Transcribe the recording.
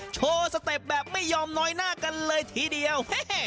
โชว์สเต็ปแบบไม่ยอมน้อยหน้ากันเลยทีเดียว